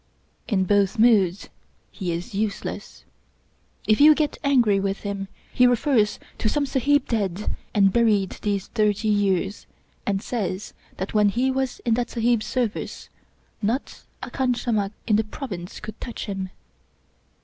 In both moods he is useless. If you get angry with him, he refers to some Sahib dead and buried these thirty years, and says that when he was in that Sahib's service not a khansamah in the Province could touch him.